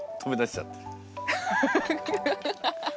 ハハハハ。